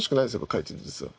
描いてて実は。